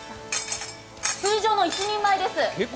通常の一人前です。